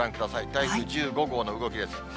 台風１５号の動きです。